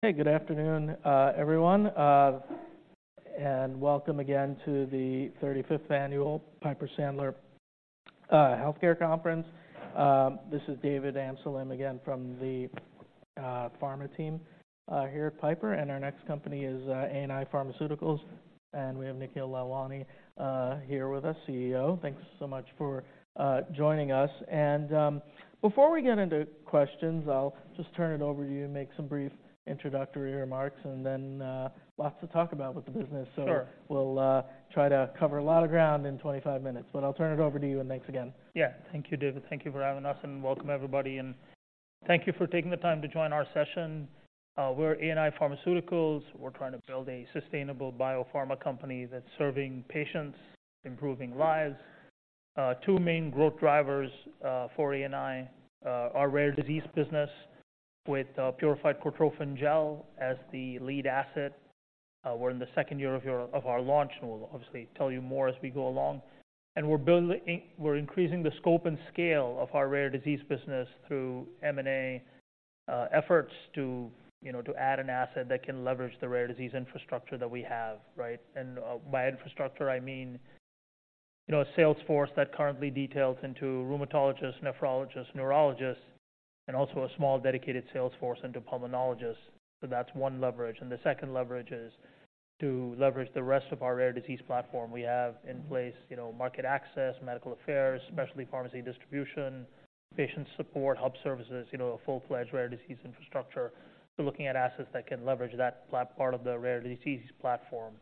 Hey, good afternoon, everyone, and welcome again to the thirty-fifth annual Piper Sandler Healthcare Conference. This is David Amsellem again from the pharma team here at Piper, and our next company is ANI Pharmaceuticals, and we have Nikhil Lalwani here with us, CEO. Thanks so much for joining us. And, before we get into questions, I'll just turn it over to you to make some brief introductory remarks and then, lots to talk about with the business. Sure. We'll try to cover a lot of ground in 25 minutes, but I'll turn it over to you, and thanks again. Yeah. Thank you, David. Thank you for having us, and welcome, everybody, and thank you for taking the time to join our session. We're ANI Pharmaceuticals. We're trying to build a sustainable biopharma company that's serving patients, improving lives. Two main growth drivers for ANI, our Rare Disease business with Purified Cortrophin Gel as the lead asset. We're in the second year of our launch, and we'll obviously tell you more as we go along. And we're building, we're increasing the scope and scale of our Rare Disease business through M&A efforts to, you know, to add an asset that can leverage the rare disease infrastructure that we have, right? And, by infrastructure, I mean, you know, a sales force that currently details into rheumatologists, nephrologists, neurologists, and also a small dedicated sales force into pulmonologists. So that's one leverage. And the second leverage is to leverage the rest of our Rare Disease platform. We have in place, you know, market access, medical affairs, specialty pharmacy distribution, patient support, hub services, you know, a full-fledged rare disease infrastructure. So looking at assets that can leverage that platform. Part of the Rare Disease platform.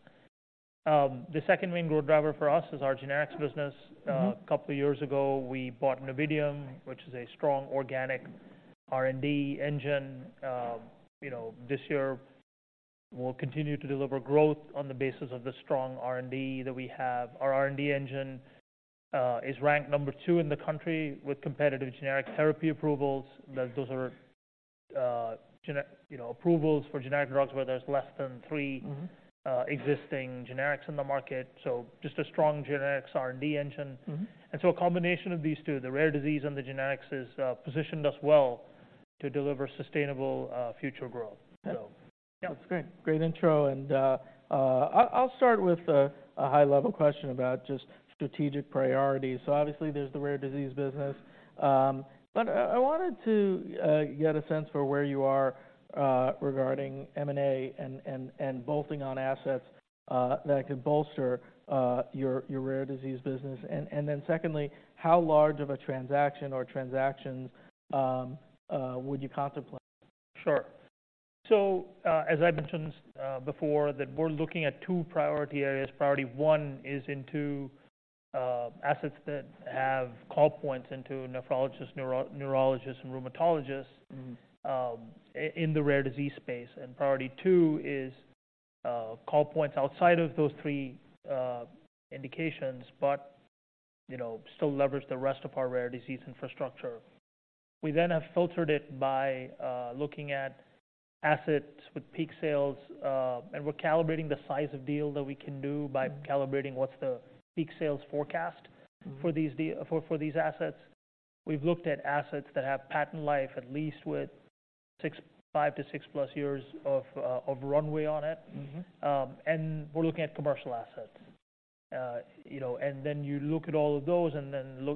The second main growth driver for us is our Generics business. Mm-hmm. A couple of years ago, we bought Novitium, which is a strong organic R&D engine. You know, this year, we'll continue to deliver growth on the basis of the strong R&D that we have. Our R&D engine is ranked number two in the country with Competitive Generic Therapy approvals. Mm-hmm. That those are, you know, approvals for generic drugs where there's less than three- Mm-hmm... existing generics in the market. So just a strong generics R&D engine. Mm-hmm. And so a combination of these two, the Rare Disease and the Generics, is positioned us well to deliver sustainable future growth. So yeah. That's great. Great intro, and I'll start with a high-level question about just strategic priorities. So obviously, there's the Rare Disease business, but I wanted to get a sense for where you are regarding M&A and bolting on assets that could bolster your Rare Disease business. And then secondly, how large of a transaction or transactions would you contemplate? Sure. So, as I mentioned, before, that we're looking at two priority areas. Priority one is into assets that have call points into nephrologists, neurologists, and rheumatologists- Mm-hmm... in the rare disease space. And priority two is call points outside of those three indications, but, you know, still leverage the rest of our rare disease infrastructure. We then have filtered it by looking at assets with peak sales, and we're calibrating the size of deal that we can do by- Mm-hmm... calibrating what's the peak sales forecast- Mm-hmm... for these assets. We've looked at assets that have patent life, at least with five to six plus years of runway on it. Mm-hmm. We're looking at commercial assets. You know, and then you look at all of those.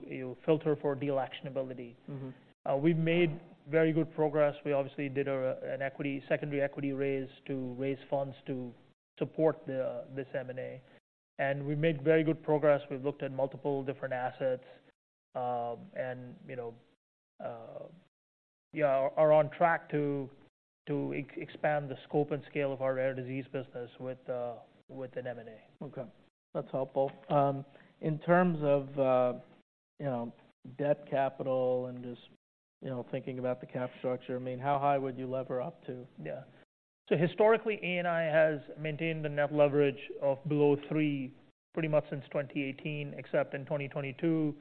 You filter for deal actionability. Mm-hmm. We've made very good progress. We obviously did a secondary equity raise to raise funds to support this M&A, and we made very good progress. We've looked at multiple different assets, and you know, are on track to expand the scope and scale of our Rare Disease business with an M&A. Okay, that's helpful. In terms of, you know, debt capital and just, you know, thinking about the cap structure, I mean, how high would you lever up to? Yeah. So historically, ANI has maintained a net leverage of below three, pretty much since 2018, except in 2022,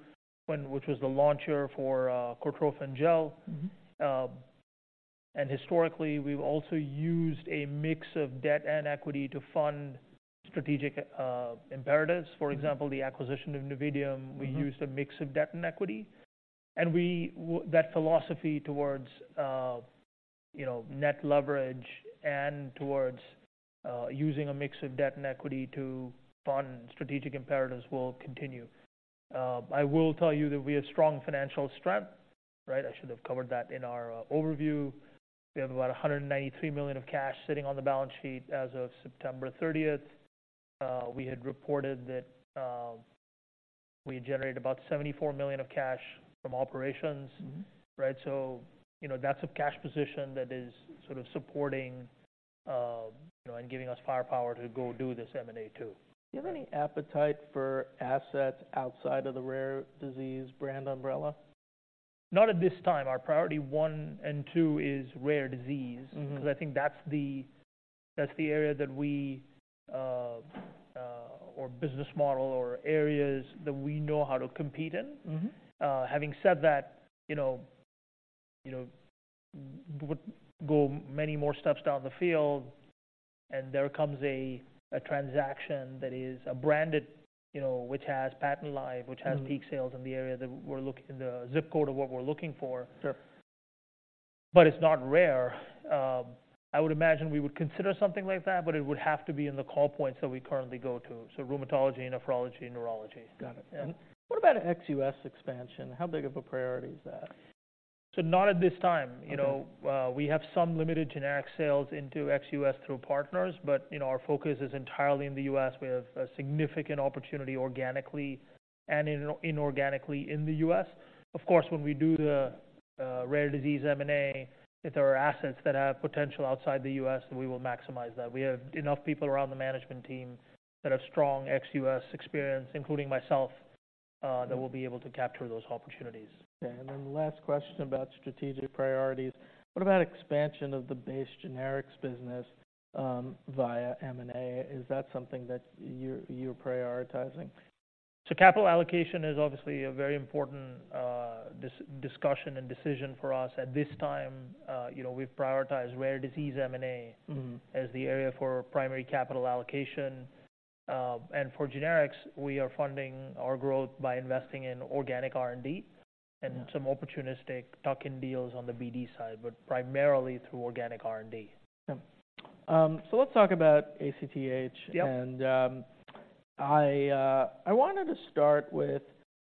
when... which was the launch year for Cortrophin Gel. Mm-hmm. Historically, we've also used a mix of debt and equity to fund strategic imperatives. Mm-hmm. For example, the acquisition of Novitium- Mm-hmm... we used a mix of debt and equity, and that philosophy towards, you know, net leverage and towards, using a mix of debt and equity to fund strategic imperatives will continue. I will tell you that we have strong financial strength, right? I should have covered that in our overview. We have about $193 million of cash sitting on the balance sheet as of 30th September. We had reported that we had generated about $74 million of cash from operations. Mm-hmm. Right? So, you know, that's a cash position that is sort of supporting, you know, and giving us firepower to go do this M&A, too. Do you have any appetite for assets outside of the rare disease brand umbrella? Not at this time. Our priority one and two is Rare Disease. Mm-hmm. Because I think that's the, that's the area that we, or business model or areas that we know how to compete in. Mm-hmm. Having said that, you know, we would go many more steps down the field and there comes a transaction that is a branded, you know, which has patent life, which has- Mm-hmm. Peak sales in the area that we're looking, the zip code of what we're looking for. Sure. But it's not rare. I would imagine we would consider something like that, but it would have to be in the call points that we currently go to, so rheumatology and nephrology and neurology. Got it. Yeah. What about an ex-U.S. expansion? How big of a priority is that? So not at this time. Okay. You know, we have some limited generic sales into ex-U.S. through partners, but, you know, our focus is entirely in the U.S. We have a significant opportunity organically and inorganically in the U.S. Of course, when we do the, rare disease M&A, if there are assets that have potential outside the U.S., we will maximize that. We have enough people around the management team that have strong ex-U.S. experience, including myself. Mm-hmm. -that will be able to capture those opportunities. Okay, and then the last question about strategic priorities: What about expansion of the base Generics business via M&A? Is that something that you're prioritizing? Capital allocation is obviously a very important discussion and decision for us. At this time, you know, we've prioritized rare disease M&A- Mm-hmm... as the area for primary capital allocation. And for Generics, we are funding our growth by investing in organic R&D- Yeah and some opportunistic tuck-in deals on the BD side, but primarily through organic R&D. Yeah. So let's talk about ACTH. Yeah. I wanted to start with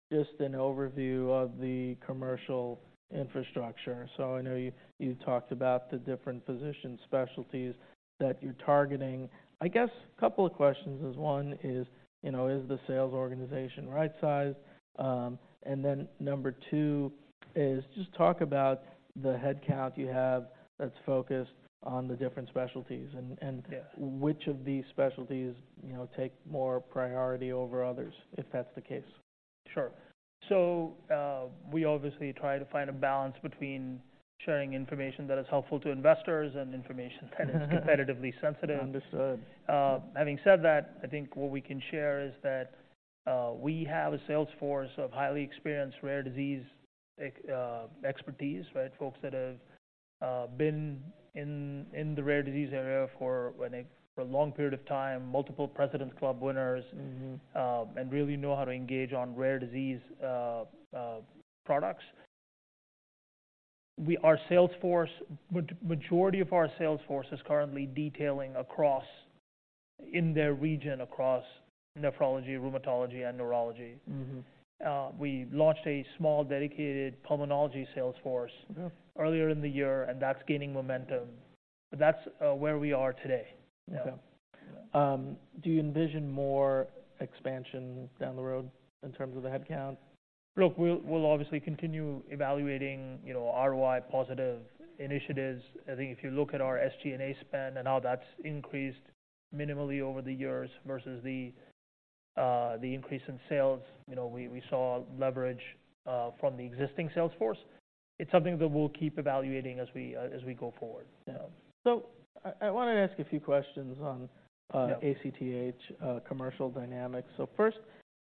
just an overview of the commercial infrastructure. I know you talked about the different physician specialties that you're targeting. I guess a couple of questions is, one is, you know, is the sales organization right sized? And then number two is just talk about the headcount you have that's focused on the different specialties. Yeah... which of these specialties, you know, take more priority over others, if that's the case? Sure. So, we obviously try to find a balance between sharing information that is helpful to investors and information that is competitively sensitive. Understood. Having said that, I think what we can share is that we have a sales force of highly experienced rare disease expertise, right? Folks that have been in the rare disease area for a long period of time, multiple President's Club winners- Mm-hmm... and really know how to engage on rare disease products. We, our sales force, majority of our sales force is currently detailing across, in their region, across nephrology, rheumatology, and neurology. Mm-hmm. We launched a small dedicated pulmonology sales force- Mm-hmm... earlier in the year, and that's gaining momentum. But that's where we are today. Yeah. Okay. Do you envision more expansion down the road in terms of the headcount? Look, we'll obviously continue evaluating, you know, ROI-positive initiatives. I think if you look at our SG&A spend and how that's increased minimally over the years versus the increase in sales, you know, we saw leverage from the existing sales force. It's something that we'll keep evaluating as we go forward. Yeah. So I wanted to ask a few questions on- Yeah... ACTH commercial dynamics. So first,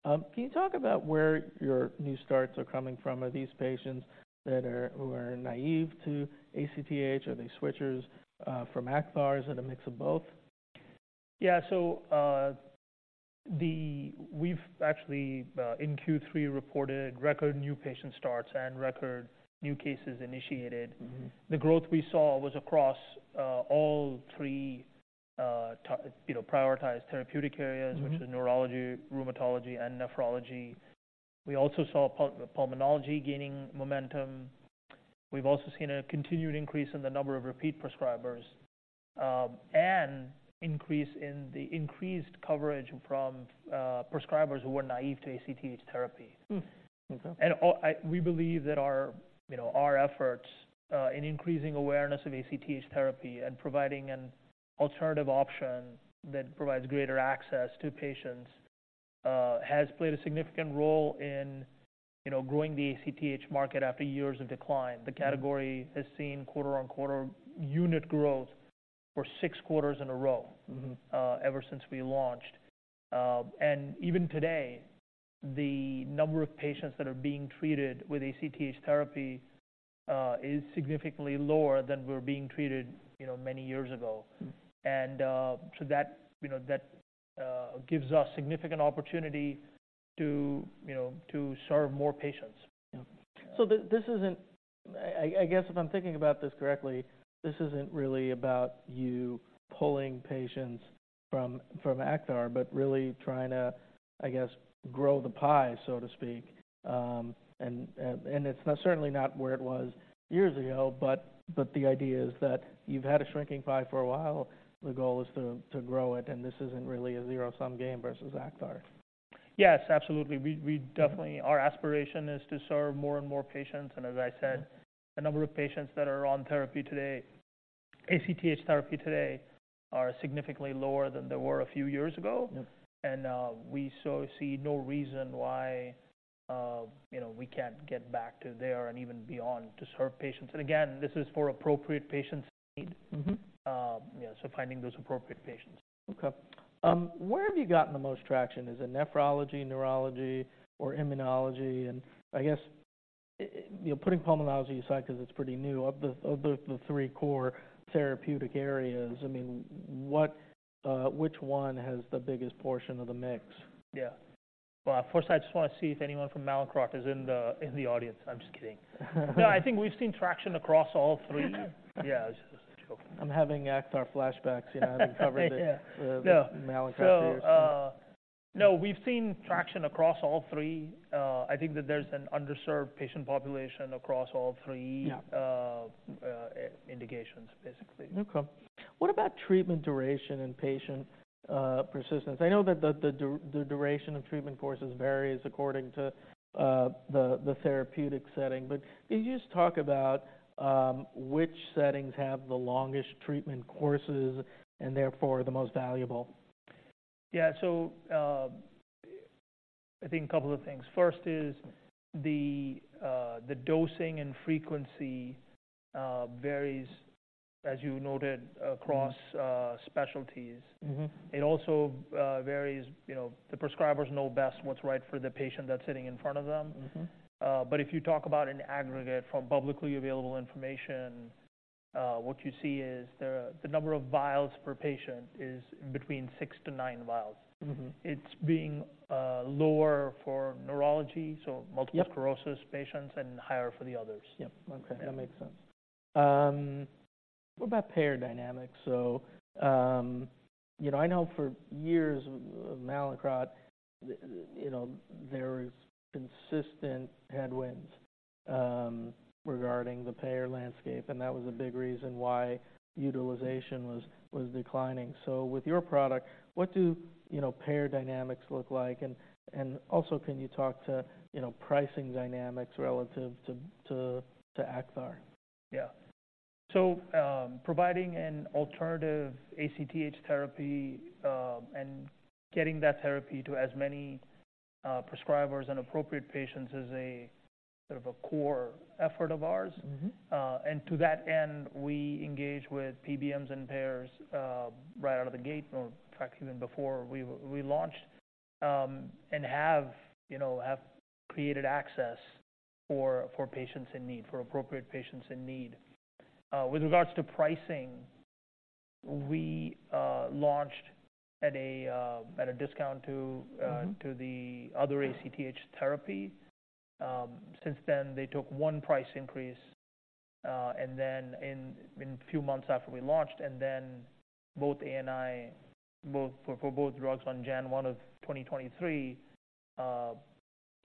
can you talk about where your new starts are coming from? Are these patients that are, who are naive to ACTH? Are they switchers from Acthar? Is it a mix of both? Yeah, so, we've actually in Q3 reported record new patient starts and record new cases initiated. Mm-hmm. The growth we saw was across all three, you know, prioritized therapeutic areas- Mm-hmm... which is neurology, rheumatology, and nephrology. We also saw pulmonology gaining momentum. We've also seen a continued increase in the number of repeat prescribers, and increase in the increased coverage from prescribers who were naive to ACTH therapy. Hmm, okay. We believe that our, you know, our efforts in increasing awareness of ACTH therapy and providing an alternative option that provides greater access to patients has played a significant role in, you know, growing the ACTH market after years of decline. Yeah. The category has seen quarter-on-quarter unit growth for six quarters in a row. Mm-hmm... ever since we launched. Even today, the number of patients that are being treated with ACTH therapy is significantly lower than were being treated, you know, many years ago. Mm. And, so that, you know, that, gives us significant opportunity to, you know, to serve more patients. Yeah. So this isn't... I guess if I'm thinking about this correctly, this isn't really about you pulling patients from Acthar, but really trying to, I guess, grow the pie, so to speak. And it's not, certainly not where it was years ago, but the idea is that you've had a shrinking pie for a while. The goal is to grow it, and this isn't really a zero-sum game versus Acthar. Yes, absolutely. We definitely- Mm-hmm. Our aspiration is to serve more and more patients. Yeah. As I said, the number of patients that are on therapy today, ACTH therapy today, are significantly lower than they were a few years ago. Yeah. We so see no reason why, you know, we can't get back to there and even beyond, to serve patients. Again, this is for appropriate patients' need. Mm-hmm. Yeah, so finding those appropriate patients.... Okay. Where have you gotten the most traction? Is it nephrology, neurology, or immunology? And I guess, you know, putting pulmonology aside, 'cause it's pretty new. Of the three core therapeutic areas, I mean, what, which one has the biggest portion of the mix? Yeah. Well, first, I just want to see if anyone from Mallinckrodt is in the audience. I'm just kidding. No, I think we've seen traction across all three. Yeah, it's a joke. I'm having Acthar flashbacks, you know, and covering the- Yeah. -the Mallinckrodt years. So, no, we've seen traction across all three. I think that there's an underserved patient population across all three- Yeah Indications, basically. Okay. What about treatment duration and patient persistence? I know that the duration of treatment courses varies according to the therapeutic setting, but can you just talk about which settings have the longest treatment courses and therefore the most valuable? Yeah. So, I think a couple of things. First is the dosing and frequency varies, as you noted, across- Mm-hmm... specialties. Mm-hmm. It also varies, you know, the prescribers know best what's right for the patient that's sitting in front of them. Mm-hmm. But if you talk about an aggregate from publicly available information, what you see is the number of vials per patient is between 6 vials-9 vials. Mm-hmm. It's being lower for neurology, so- Yep Multiple sclerosis patients and higher for the others. Yep, okay. Yeah. That makes sense. What about payer dynamics? So, you know, I know for years, Mallinckrodt, you know, there was consistent headwinds regarding the payer landscape, and that was a big reason why utilization was declining. So with your product, what do payer dynamics look like? You know, and also, can you talk to pricing dynamics relative to Acthar? Yeah. So, providing an alternative ACTH therapy, and getting that therapy to as many prescribers and appropriate patients is a sort of a core effort of ours. Mm-hmm. And to that end, we engage with PBMs and payers right out of the gate, or in fact, even before we launched, and have, you know, created access for patients in need, for appropriate patients in need. With regards to pricing, we launched at a discount to Mm-hmm... to the other ACTH therapy. Since then, they took one price increase, and then in a few months after we launched, and then for both drugs on January 1, 2023,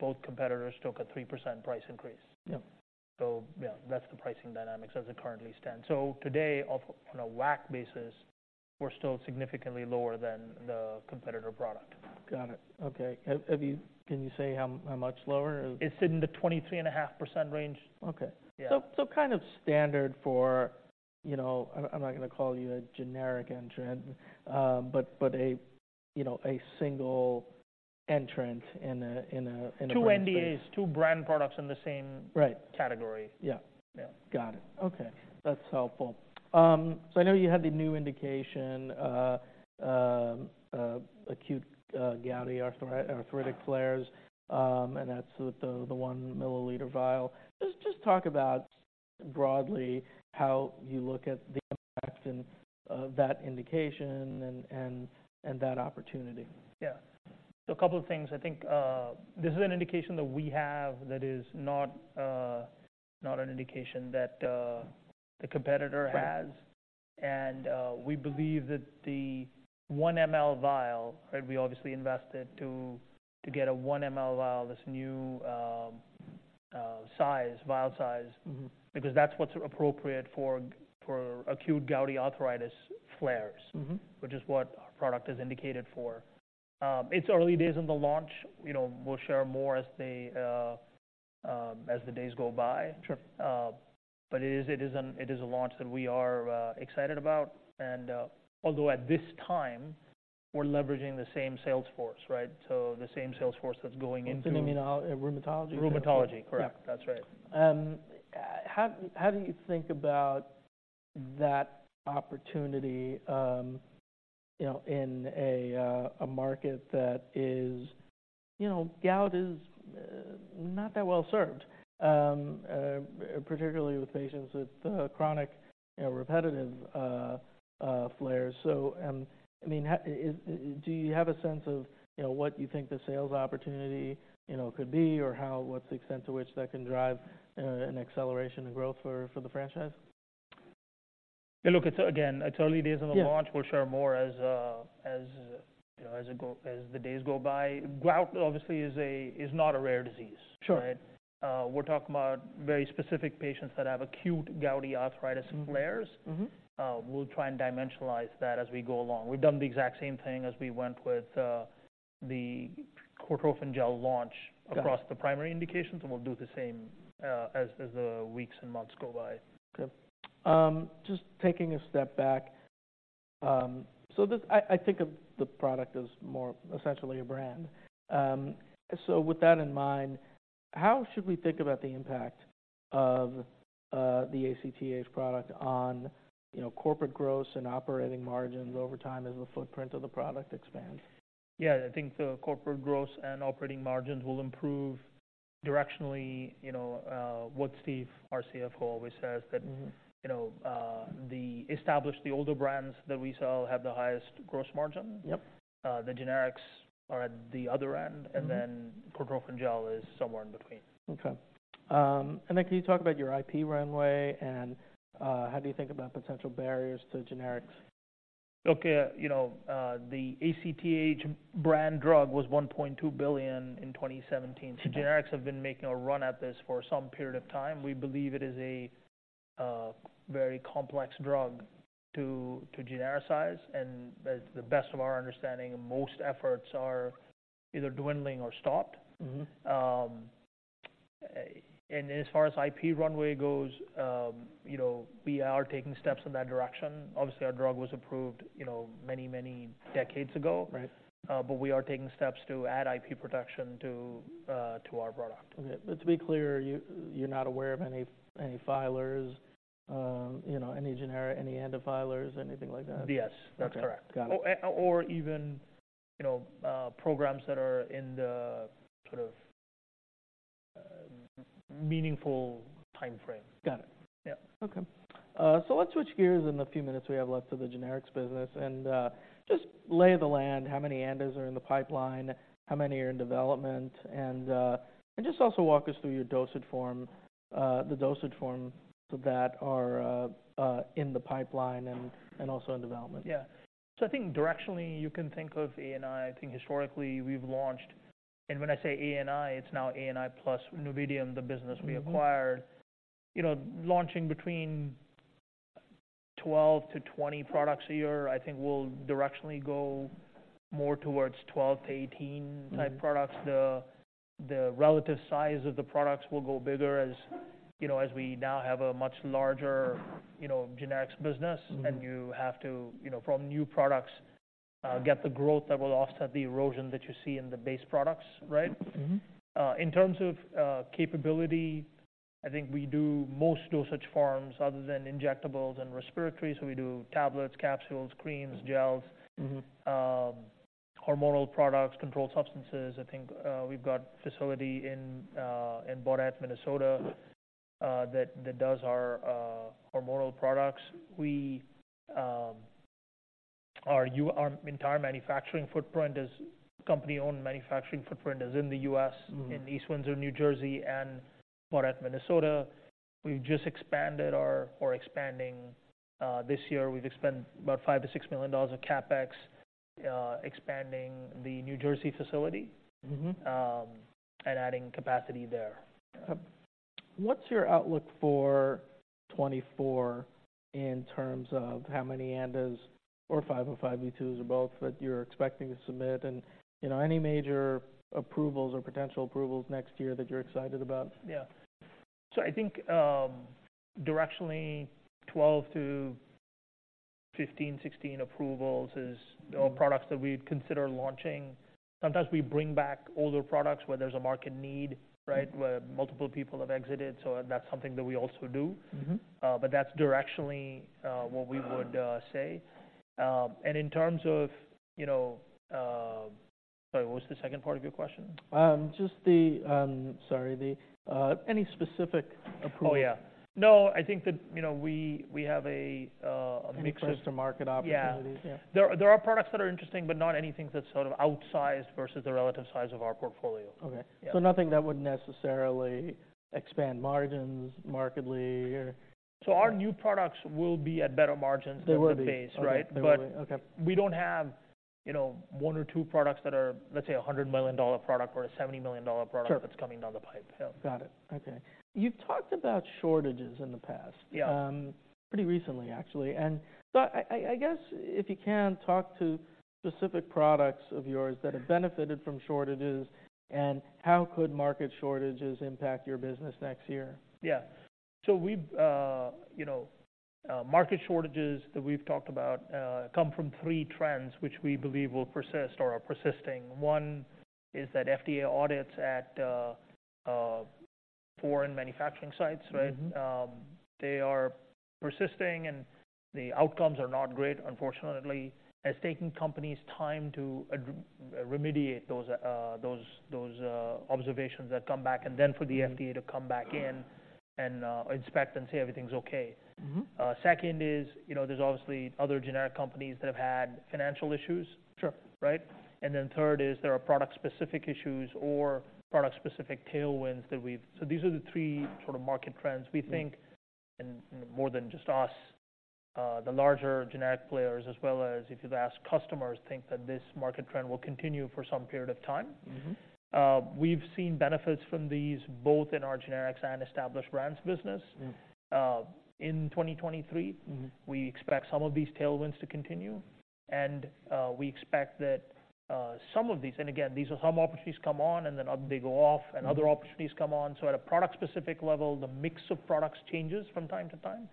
both competitors took a 3% price increase. Yep. So yeah, that's the pricing dynamics as it currently stands. So today, on a WAC basis, we're still significantly lower than the competitor product. Got it. Okay. Have you-- Can you say how much lower? It's in the 23.5% range. Okay. Yeah. So kind of standard for, you know... I'm not gonna call you a generic entrant, but a, you know, a single entrant in a- Two NDAs, two brand products in the same- Right -category. Yeah. Yeah. Got it. Okay, that's helpful. So I know you had the new indication, acute gouty arthritis flares, and that's with the 1 mL vial. Let's just talk about broadly how you look at the impact and that indication and that opportunity. Yeah. So a couple of things. I think this is an indication that we have that is not an indication that the competitor has. Right. We believe that the 1 mL vial, right, we obviously invested to get a 1 mL vial, this new size vial size- Mm-hmm -because that's what's appropriate for acute gouty arthritis flares- Mm-hmm -which is what our product is indicated for. It's early days in the launch. You know, we'll share more as the days go by. Sure. But it is a launch that we are excited about, and although at this time, we're leveraging the same sales force, right? So the same sales force that's going into- Immunology, rheumatology? Rheumatology, correct. Yeah. That's right. How do you think about that opportunity, you know, in a market that is... You know, gout is not that well served, particularly with patients with chronic repetitive flares. So, I mean, do you have a sense of, you know, what you think the sales opportunity, you know, could be, or how, what's the extent to which that can drive an acceleration and growth for the franchise? Yeah, look, it's, again, it's early days of the launch. Yeah. We'll share more as, you know, as the days go by. Gout obviously is not a rare disease. Sure. Right? We're talking about very specific patients that have acute gouty arthritis flares. Mm-hmm. We'll try and dimensionalize that as we go along. We've done the exact same thing as we went with the Cortrophin Gel launch- Got it -across the primary indications, and we'll do the same, as the weeks and months go by. Okay. Just taking a step back, so this—I think of the product as more essentially a brand. So with that in mind, how should we think about the impact of the ACTH product on, you know, corporate growth and operating margins over time as the footprint of the product expands? Yeah, I think the corporate growth and operating margins will improve directionally. You know what Steve, our CFO, always says, that you know the established, the older brands that we sell have the highest gross margin. Yep. The generics are at the other end- Mm-hmm. And then Cortrophin Gel is somewhere in between. Okay. And then can you talk about your IP runway and how do you think about potential barriers to generics? Okay, you know, the ACTH brand drug was $1.2 billion in 2017. Yeah. So generics have been making a run at this for some period of time. We believe it is a very complex drug to genericize, and as to the best of our understanding, most efforts are either dwindling or stopped. Mm-hmm. As far as IP runway goes, you know, we are taking steps in that direction. Obviously, our drug was approved, you know, many, many decades ago. Right. But we are taking steps to add IP protection to our product. Okay, but to be clear, you, you're not aware of any filers, you know, any generic ANDA filers, anything like that? Yes, that's correct. Got it. Or, or even, you know, programs that are in the sort of meaningful timeframe. Got it. Yeah. Okay. So let's switch gears in the few minutes we have left to the Generics business and just lay the land, how many ANDAs are in the pipeline, how many are in development? And just also walk us through your dosage form, the dosage forms that are in the pipeline and also in development. Yeah. So I think directionally, you can think of ANI. I think historically we've launched... And when I say ANI, it's now ANI plus Novitium, the business- Mm-hmm. -we acquired. You know, launching between 12-20 products a year, I think will directionally go more towards 12-18- Mm. Type products. The relative size of the products will go bigger, as you know, as we now have a much larger, you know, Generics business. Mm-hmm. You have to, you know, from new products, get the growth that will offset the erosion that you see in the base products, right? Mm-hmm. In terms of capability, I think we do most dosage forms other than injectables and respiratory. So we do tablets, capsules, creams, gels. Mm-hmm. Hormonal products, controlled substances. I think we've got facility in Baudette, Minnesota that does our hormonal products. Our entire company-owned manufacturing footprint is in the U.S.- Mm-hmm. in East Windsor, New Jersey, and Baudette, Minnesota. We've just expanded or, or expanding, this year, we've spent about $5 million-$6 million on CapEx, expanding the New Jersey facility- Mm-hmm. and adding capacity there. What's your outlook for 2024 in terms of how many ANDAs or 505(b)(2)s or both, that you're expecting to submit? And, you know, any major approvals or potential approvals next year that you're excited about? Yeah. So I think, directionally, 12-15, 16 approvals is- Mm. or products that we'd consider launching. Sometimes we bring back older products where there's a market need, right? Mm-hmm. Where multiple people have exited. So that's something that we also do. Mm-hmm. But that's directionally what we would say. And in terms of, you know... Sorry, what was the second part of your question? Sorry, any specific approval? Oh, yeah. No, I think that, you know, we have a mix- Entry to market opportunities. Yeah. Yeah. There are products that are interesting, but not anything that's sort of outsized versus the relative size of our portfolio. Okay. So nothing that would necessarily expand margins markedly or- Our new products will be at better margins- They will be. than the base, right. Okay. But- Okay. We don't have, you know, one or two products that are, let's say, a $100 million product or a $70 million- product- Sure. That's coming down the pipe. Yeah. Got it. Okay. You've talked about shortages in the past. Yeah. Pretty recently, actually. So I guess if you can talk to specific products of yours that have benefited from shortages, and how could market shortages impact your business next year? Yeah. So we've, you know, market shortages that we've talked about, come from three trends, which we believe will persist or are persisting. One, is that FDA audits at, foreign manufacturing sites, right? Mm-hmm. They are persisting, and the outcomes are not great, unfortunately. It's taking companies time to remediate those observations that come back, and then for the FDA- Mm-hmm. -to come back in and, inspect and say everything's okay. Mm-hmm. Second is, you know, there's obviously other generic companies that have had financial issues. Sure. Right? And then third is, there are product-specific issues or product-specific tailwinds that we've... So these are the three sort of market trends- Mm. We think, and more than just us, the larger generic players, as well as if you'd ask customers, think that this market trend will continue for some period of time. Mm-hmm. We've seen benefits from these, both in our Generics and established brands business. Mm. In 2023- Mm-hmm. We expect some of these tailwinds to continue, and we expect that some of these... And again, these are some opportunities come on and then they go off. Mm-hmm. and other opportunities come on. So at a product-specific level, the mix of products changes from time to time.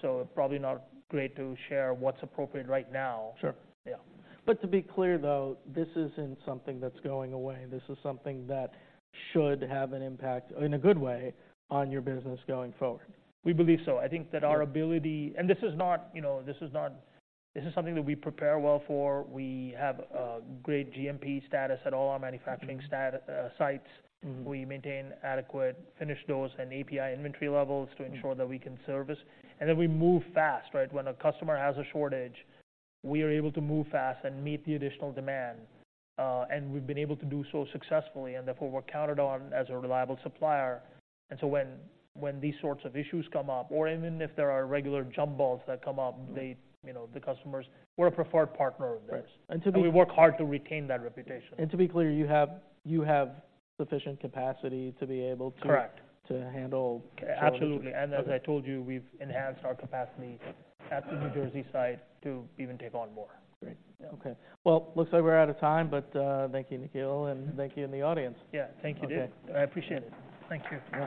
Sure. Probably not great to share what's appropriate right now. Sure. Yeah. But to be clear, though, this isn't something that's going away. This is something that should have an impact, in a good way, on your business going forward. We believe so. I think that- Yeah... our ability, and this is not, you know, this is not, this is something that we prepare well for. We have a great GMP status at all our manufacturing sites. Mm-hmm. We maintain adequate finished goods and API inventory levels. Mm-hmm. -to ensure that we can service, and then we move fast, right? When a customer has a shortage, we are able to move fast and meet the additional demand, and we've been able to do so successfully, and therefore, we're counted on as a reliable supplier. And so when these sorts of issues come up, or even if there are regular jumbos that come up- Mm. They, you know, the customers, we're a preferred partner of theirs. Right. And to be- We work hard to retain that reputation. And to be clear, you have sufficient capacity to be able to- Correct. -to handle shortages. Absolutely. Okay. As I told you, we've enhanced our capacity at the New Jersey site to even take on more. Great. Yeah. Okay. Well, looks like we're out of time, but thank you, Nikhil, and thank you in the audience. Yeah. Thank you, Dave. Okay. I appreciate it. Thank you.